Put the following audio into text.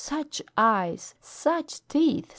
Such eyes! Such teeth!